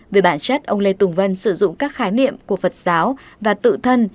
về bản chất ông lê tùng vân sử dụng các khái niệm của phật giáo và tự thân